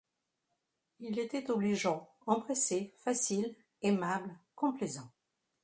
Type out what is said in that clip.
Il était obligeant, empressé, facile, aimable, complaisant.